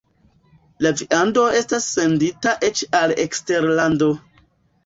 La viando estas sendita eĉ al eksterlando.